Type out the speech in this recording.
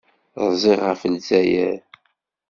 Rziɣ ɣef Lezzayer.